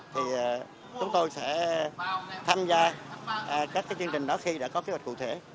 thì chúng tôi sẽ tham gia các chương trình đó khi đã có kế hoạch cụ thể